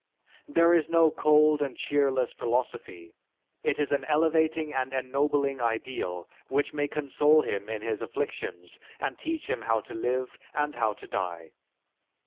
This is no cold and cheerless philosophy; it is an elevating and ennobling ideal which may console him in his afflictions and teach him how to live and how to die.